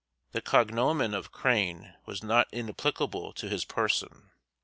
The cognomen of Crane was not inapplicable to his person.